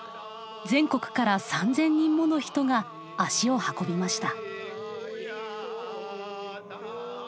全国から３，０００人もの人が足を運びました。